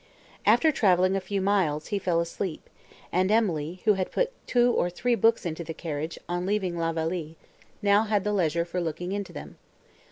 After travelling a few miles, he fell asleep; and Emily, who had put two or three books into the carriage, on leaving La Vallée, had now the leisure for looking into them.